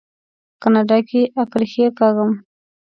په کاناډا کې اکرښې کاږم.